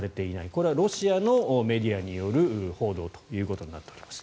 これはロシアのメディアによる報道ということになっています。